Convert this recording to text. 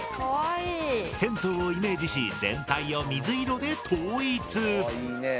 銭湯をイメージし全体を水色で統一。